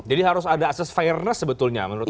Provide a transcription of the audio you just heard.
jadi harus ada ases fairness sebetulnya menurut anda